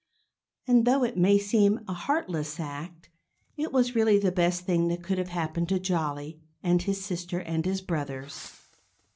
And though it may seem a heartless act, it was really the best thing that could have happened to Jolly and his sister and his brothers.